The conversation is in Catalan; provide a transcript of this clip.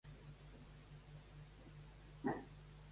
L'incident va donar lloc al terme sarcàstic "Salsitxa Taylforth".